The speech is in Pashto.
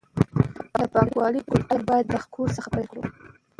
د پاکوالي کلتور باید له خپل کور څخه پیل کړو.